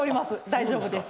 大丈夫です。